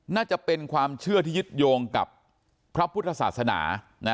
น่าจะเป็นความเชื่อที่ยึดโยงกับพระพุทธศาสนา